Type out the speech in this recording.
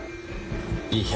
いや。